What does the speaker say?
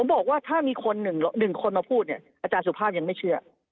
ผมบอกว่าถ้ามีคนหนึ่งคนมาพูดเนี่ยอาจารย์สุภาพยังไม่เชื่อ